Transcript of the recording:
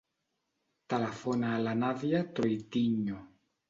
Telefona a la Nàdia Troitiño.